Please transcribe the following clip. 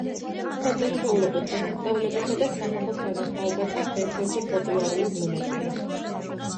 საწესჩვეულებო დღესასწაულებისა და სახალხო სანახაობათა ერთ-ერთი პოპულარული მონაწილე.